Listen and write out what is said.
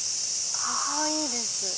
かわいいです。